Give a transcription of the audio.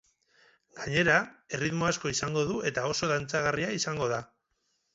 Gainera, erritmo asko izango du eta oso dantzagarria izango da.